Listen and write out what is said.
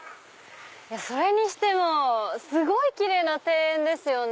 それにしてもすごいキレイな庭園ですよね。